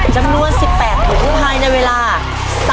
จำนวน๑๘ถุงให้ในเวลา๓นาที